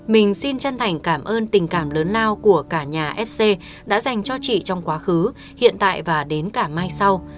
mình xin chân thành cảm ơn tình cảm lớn lao của cả nhà fc đã dành cho chị trong quá khứ hiện tại và đến cả mai sau